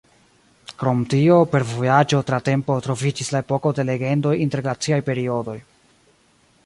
Krom tio, per vojaĝo tra tempo troviĝis la Epoko de Legendoj inter glaciaj periodoj.